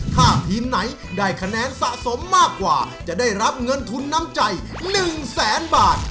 ถ้าทีมไหนได้คะแนนสะสมมากกว่าจะได้รับเงินทุนน้ำใจ๑แสนบาท